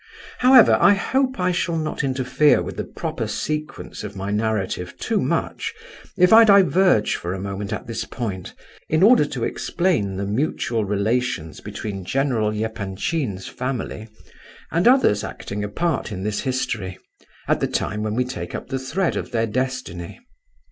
However, I hope I shall not interfere with the proper sequence of my narrative too much, if I diverge for a moment at this point, in order to explain the mutual relations between General Epanchin's family and others acting a part in this history, at the time when we take up the thread of their destiny.